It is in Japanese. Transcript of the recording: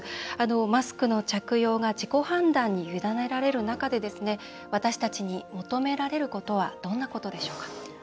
マスクの着用が自己判断に委ねられる中で私たちに、求められることはどんなことでしょうか。